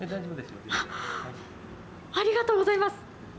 ありがとうございます。